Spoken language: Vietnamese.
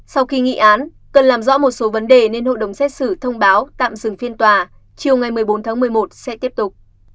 sau khi nghị án cần làm rõ một số vấn đề nên hội đồng xét xử thông báo tạm dừng phiên tòa chiều ngày một mươi bốn tháng một mươi một sẽ tiếp tục